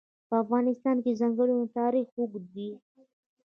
په افغانستان کې د ځنګلونه تاریخ اوږد دی.